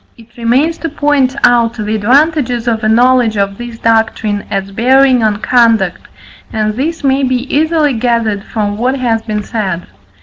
It remains to point out the advantages of a knowledge of this doctrine as bearing on conduct, and this may be easily gathered from what has been said.